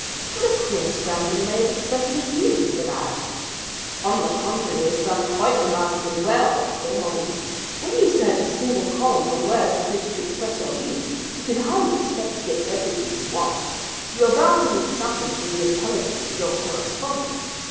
"What a queer, scrambling way of expressing his meaning!" said I. "On the contrary, he has done quite remarkably well," said Holmes. "When you search a single column for words with which to express your meaning, you can hardly expect to get everything you want. You are bound to leave something to the intelligence of your correspondent.